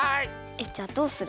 えっじゃあどうする？